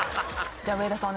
じゃあ上田さん